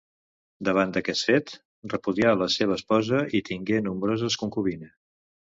Davant d'aquest fet repudià la seva esposa i tingué nombroses concubines.